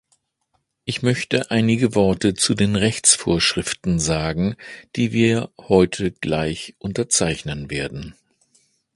Ich möchte einige Worte zu den Rechtsvorschriften sagen, die wir heute gleich unterzeichnen werden.